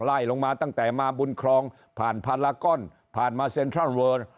ไล่ลงมาตั้งแต่มาบุญครองผ่านพารากอนผ่านมาเซ็นทรัลเวิร์น